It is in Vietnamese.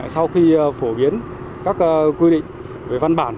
sau khi phổ biến các quy định về văn bản